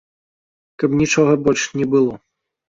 Каб нічога больш не было.